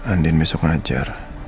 andi besok ngajar